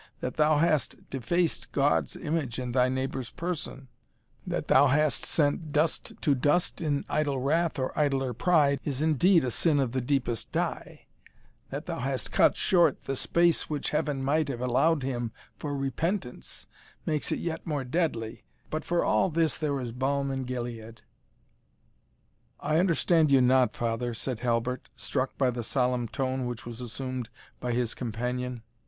"That thou hast defaced God's image in thy neighbour's person that thou hast sent dust to dust in idle wrath or idler pride, is indeed a sin of the deepest dye that thou hast cut short the space which Heaven might have allowed him for repentance, makes it yet more deadly but for all this there is balm in Gilead." "I understand you not, father," said Halbert, struck by the solemn tone which was assumed by his companion.